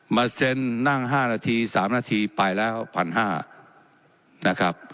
มาเซ็นต์นั่งห้านาทีสามนาทีไปแล้วพันห้านะครับ